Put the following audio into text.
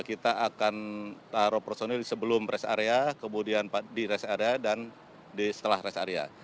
kita akan taruh personil sebelum rest area kemudian di rest area dan setelah rest area